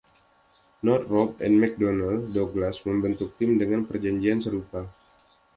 Northrop and McDonnell Douglas membentuk tim dengan perjanjian serupa.